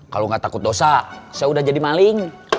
kalau nggak takut dosa saya udah jadi maling